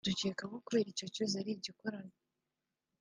dukeka ko kubera icyo cyuzi ari igikorano